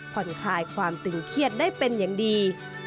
ผ่อนคลายความตึงเครียดได้เป็นอย่างดี